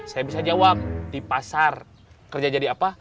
saya bisa jawab di pasar kerja jadi apa